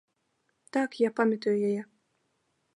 Так, я памятаю яе.